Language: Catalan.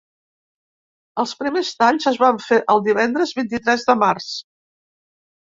Els primers talls es van fer el divendres vint-i-tres de març.